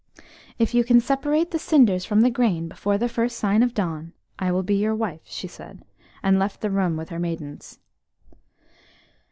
"If you can separate the cinders from the grain before the first sign of dawn, I will be your wife," she said, and left the room with her maidens.